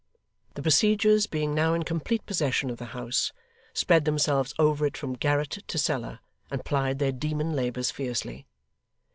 The besiegers being now in complete possession of the house, spread themselves over it from garret to cellar, and plied their demon labours fiercely.